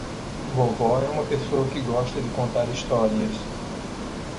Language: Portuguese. Vovó é uma pessoa que gosta de contar histórias.